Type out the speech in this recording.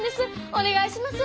お願いします！